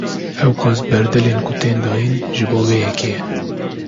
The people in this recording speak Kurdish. Ewqas berdêlên ku tên dayin, ji bo vê yekê ye